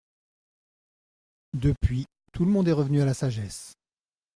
Depuis, tout le monde est revenu à la sagesse.